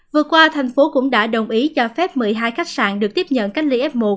vừa qua thành phố cũng đã đồng ý cho phép một mươi hai khách sạn được tiếp nhận cách ly f một